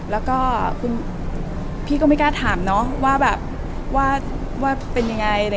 แล้วก็คุณพี่ก็ไม่กล้าถามเนาะว่าแบบว่าเป็นยังไง